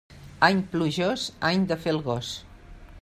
Any plujós, any de fer el gos.